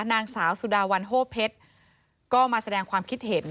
นางสาวสุดาวันโฮเพชรก็มาแสดงความคิดเห็น